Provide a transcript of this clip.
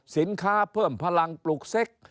สินค้าเพิ่มพลังปลูกเซ็ก